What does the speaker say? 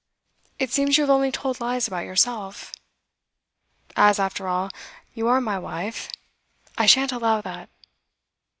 It seems you have only told lies about yourself. As, after all, you are my wife, I shan't allow that.